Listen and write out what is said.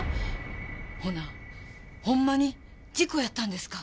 ほなほんまに事故やったんですか？